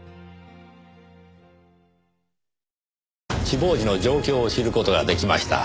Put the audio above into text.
死亡時の状況を知る事が出来ました。